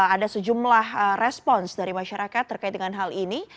ada sejumlah respons dari masyarakat terkait dengan hal ini